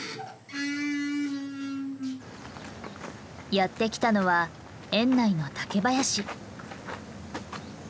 やってきたのは園内の竹林。